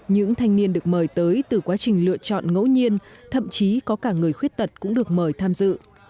những thanh niên được mời tới từ quá trình lựa chọn ngẫu nhiên thậm chí có cả người khuyết tật cũng được mời tham dự